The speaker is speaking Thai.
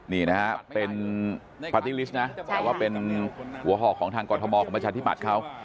นี่นะฮะเป็นปาร์ตี้ลิสต์นะแต่ว่าเป็นหัวหอกของทางกรทมของประชาธิบัติเขา